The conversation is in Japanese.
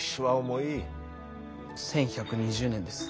１，１２０年です。